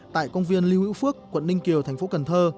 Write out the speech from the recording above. tại công viên lưu hữu phước quận ninh kiều thành phố cần thơ